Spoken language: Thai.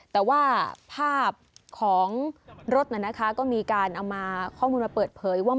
แต่ว่าภาพของรถก็มีข้อมูลมาเปิดเผยว่า